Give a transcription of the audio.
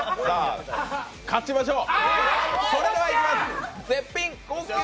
勝ちましょう！